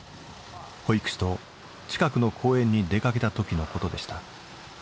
保育士と近くの公園に出かけたときのことでした。